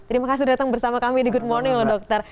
terima kasih sudah datang bersama kami di good morning dokter